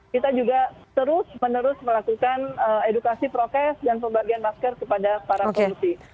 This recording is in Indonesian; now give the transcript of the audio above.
kita juga terus menerus melakukan edukasi prokes dan pembagian masker kepada para pengungsi